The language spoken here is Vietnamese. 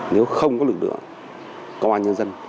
nếu không có lực lượng có ai nhân dân